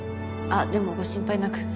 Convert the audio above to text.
あでもご心配なく。